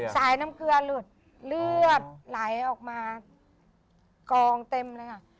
สายน้ำเกลือหลุดเลือดไหลออกมากองเต็มเลยค่ะ